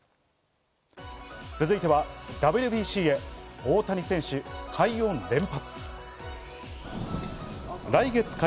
続いてはＷＢＣへ大谷選手、快音連発！